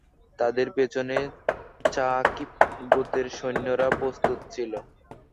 তাদের পেছনে ছাকীফ গোত্রের সৈন্যরা প্রস্তুত ছিল।